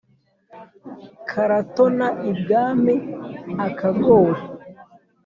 Karatona ibwami-Akagori.